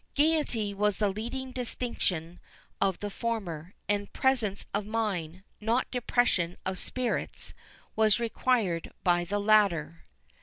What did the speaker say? Gaiety was the leading distinction of the former, and presence of mind, not depression of spirits, was required by the latter.